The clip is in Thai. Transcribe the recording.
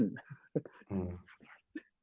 อืม